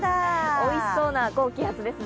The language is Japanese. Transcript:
おいしそうな高気圧ですね。